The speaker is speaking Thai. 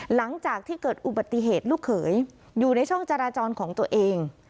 หลังจากที่เกิดอุบัติเหตุลูกเขยอยู่ในช่องจราจรของตัวเอง